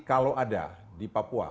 kalau ada di papua